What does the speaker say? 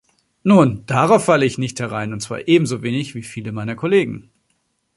Nun, darauf falle ich nicht herein, und zwar ebenso wenig wie viele meiner Kollegen.